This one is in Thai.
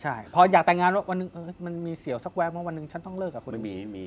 ใช่พออยากแต่งงานว่าวันหนึ่งมันมีเสี่ยวสักแวบว่าวันหนึ่งฉันต้องเลิกกับคนนี้